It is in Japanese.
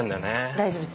大丈夫です。